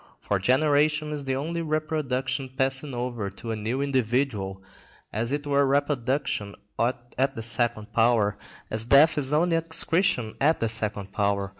For generation is only reproduction passing over to a new individual, as it were reproduction at the second power, as death is only excretion at the second power.